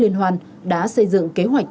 liên hoan đã xây dựng kế hoạch